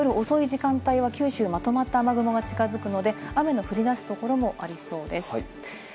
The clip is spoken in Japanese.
夜遅い時間帯は九州まとまった雨雲が近づくので、雨の降りだすところもありそうです。